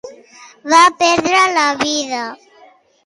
Va perdre la vida?